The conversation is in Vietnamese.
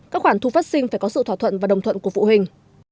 các khoản thu phát sinh phải có sự thỏa thuận và đồng thuận của phụ huynh